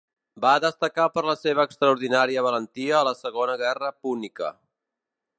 Va destacar per la seva extraordinària valentia a la Segona Guerra Púnica.